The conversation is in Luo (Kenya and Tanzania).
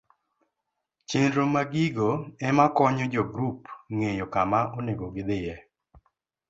Chenro ma gigo ema konyo jogrup ng'eyo kama onego gidhiye